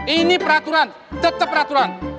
ini peraturan tetep peraturan